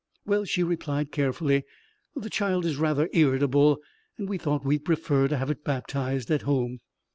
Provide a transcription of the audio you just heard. "Well," she replied carefully, "the child is rather irritable. And we thought we'd prefer to have it baptized at home."